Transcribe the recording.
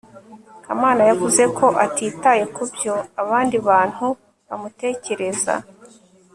kamana yavuze ko atitaye kubyo abandi bantu bamutekereza